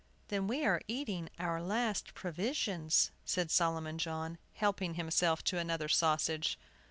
"Then we are eating our last provisions," said Solomon John, helping himself to another sausage.